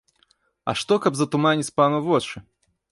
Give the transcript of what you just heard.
А што, каб затуманіць пану вочы?!